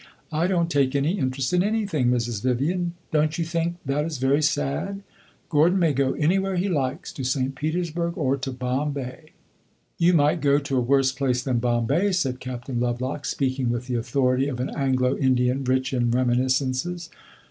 I don't take any interest in anything, Mrs. Vivian; don't you think that is very sad? Gordon may go anywhere he likes to St. Petersburg, or to Bombay." "You might go to a worse place than Bombay," said Captain Lovelock, speaking with the authority of an Anglo Indian rich in reminiscences.